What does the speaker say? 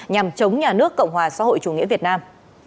nhằm chống nhà nước cộng hòa xã hội chủ nghĩa việt nam